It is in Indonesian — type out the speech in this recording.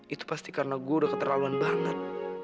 itu pasti karena gue udah keterlaluan banget